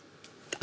あ